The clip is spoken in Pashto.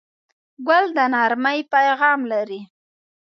ګل د نرمۍ پیغام لري.